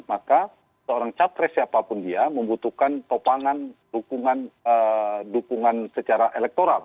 maka seorang capres siapapun dia membutuhkan topangan dukungan secara elektoral